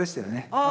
ああ